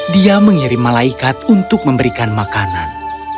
dia mengirim malaikat untuk memberikan makanan